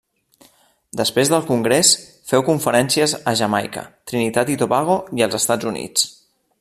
Després del Congrés, feu conferències a Jamaica, Trinitat i Tobago i els Estats Units.